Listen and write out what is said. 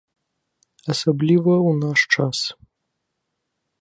Асабліва ў наш час.